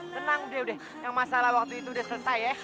tenang deh udah yang masalah waktu itu udah selesai ya